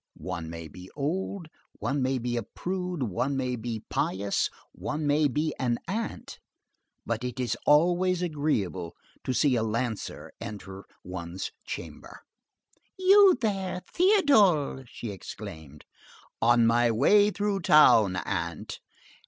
One may be old, one may be a prude, one may be pious, one may be an aunt, but it is always agreeable to see a lancer enter one's chamber. "You here, Théodule!" she exclaimed. "On my way through town, aunt."